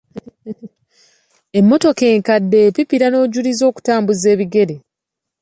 Emmotoka enkadde epipira n'ojulira okutambuza ebigere.